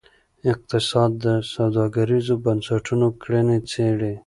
اقتصاد د سوداګریزو بنسټونو کړنې څیړي.